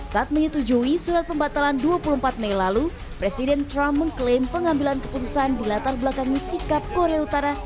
saat menyetujui surat pembatalan dua puluh empat mei lalu presiden trump mengklaim pengambilan keputusan dilatar belakangi sikap korea utara